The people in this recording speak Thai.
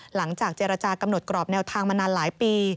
หลังจากเจรจากำหนดกรอบแนวทางมานานหลายปี